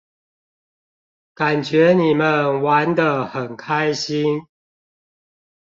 感覺你們玩得很開心